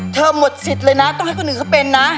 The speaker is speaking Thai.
หมดสิทธิ์เลยนะต้องให้คนอื่นเขาเป็นนะ